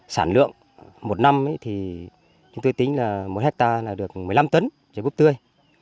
sản lượng một năm thì chúng tôi tính là một hectare là được một mươi năm tấn trái búp tươi